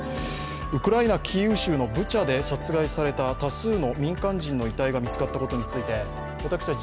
ウクライナキーウ州のブチャで殺害された多数の民間人の遺体が見つかったことについて私たち